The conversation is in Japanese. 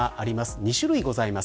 ２種類ございます。